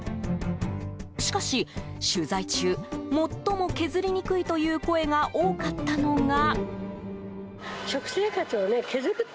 しかし、取材中最も削りにくいという声が多かったのが。